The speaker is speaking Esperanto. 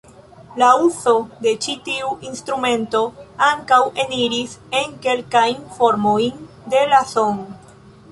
La uzo de ĉi tiu instrumento ankaŭ eniris en kelkajn formojn de la "son".